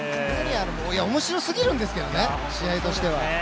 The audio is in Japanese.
面白過ぎるんですけれどもね、試合としては。